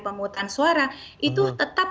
pemungutan suara itu tetap